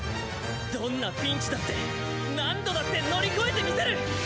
どんなピンチだって何度だって乗り越えてみせる！